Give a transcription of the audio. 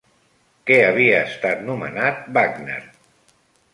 Què havia estat nomenat Wagner?